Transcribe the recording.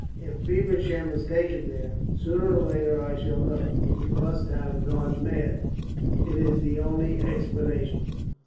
If Feversham is taken there, sooner or later I shall know. But he must have gone mad. It is the only explanation."